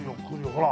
ほら。